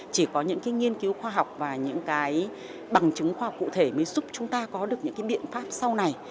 chỉ có những nghiên cứu khoa học và những cái bằng chứng khoa học cụ thể mới giúp chúng ta có được những cái biện pháp sau này